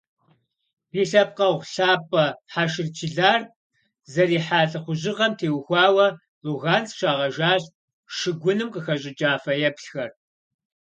Ди лъэпкъэгъу лъапӀэ Хьэшыр Чылар зэрихьа лӀыхъужьыгъэм теухуауэ Луганск щагъэжащ шыгуным къыхэщӀыкӀа фэеплъхэр.